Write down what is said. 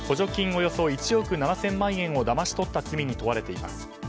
およそ１億７０００万円をだまし取った罪に問われています。